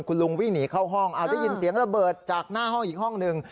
คุณลุงวิ่งหนีเข้าห้องเอาได้ยินเสียงระเบิดจากหน้าห้องอีกห้องหนึ่ง